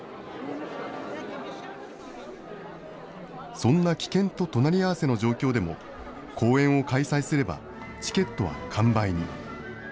そんな危険と隣り合わせの状況でも、公演を開催すれば、チケットは完売に。